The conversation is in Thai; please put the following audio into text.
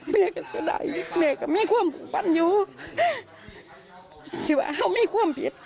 แม่ก็เสียดายแม่ก็มีความผูกพันอยู่ที่ว่าเขามีความผิด